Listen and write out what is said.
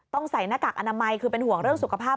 ใส่หน้ากากอนามัยคือเป็นห่วงเรื่องสุขภาพ